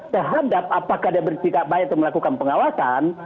terhadap apakah dia bersikap baik untuk melakukan pengawasan